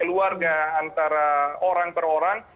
keluarga antara orang per orang